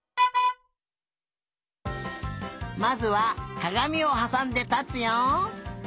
まずはかがみをはさんでたつよ。